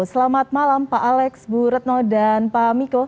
selamat malam pak alex bu retno dan pak miko